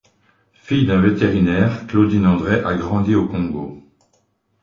Fille d'un vétérinaire, Claudine André a grandi au Congo.